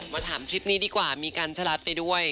มาถามทริปนี้ดีกว่ามีกัญชลัดไปด้วย